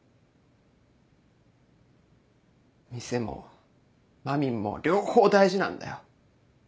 店もまみんも両方大事なんだよ。